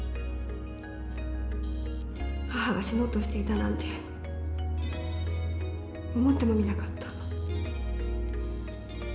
母が死のうとしていたなんて思ってもみなかった。